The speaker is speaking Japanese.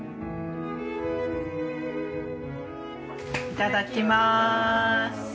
いただきます。